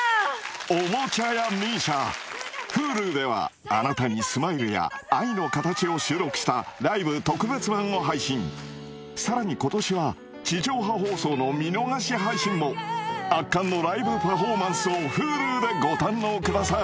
『おもちゃ屋ＭＩＳＩＡ』Ｈｕｌｕでは『あなたにスマイル：）』や『アイノカタチ』を収録したライブ特別版を配信さらに今年は地上波放送の見逃し配信も圧巻のライブパフォーマンスをＨｕｌｕでご堪能ください